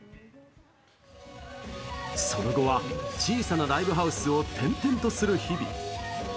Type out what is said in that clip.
その後は、小さなライブハウスを転々とする日々。